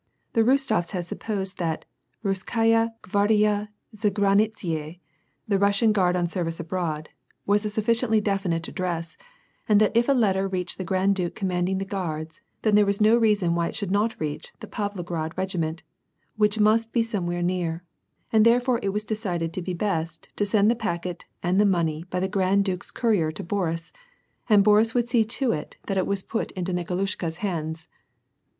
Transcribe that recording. The Rostofs had supposed that Bitsskai/a Gvardiya SM Granitsei — the Russian guard on service abroad — was a sufficiently definite address, and that if a letter reached the grand duke commanding the guards, then there was no reason why it should not reach the Pavlograd regiment, which must be somewhere near, and therefore it was decided to be best to send the packet and the money by the grand duke's courier to Boris, and Boris would see to it that it was put in Niko 286 WAR AND PEACE. lushka's hands.